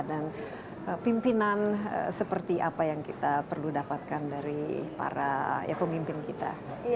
dan pimpinan seperti apa yang kita perlu dapatkan dari para pemimpin kita